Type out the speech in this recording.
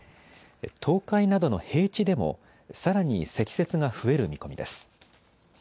東海などの平地でもさらに積雪が増える見込みです。